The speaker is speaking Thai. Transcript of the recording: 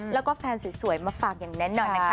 แล้วก็แฟนสวยมาฝากอย่างแน่นอนนะคะ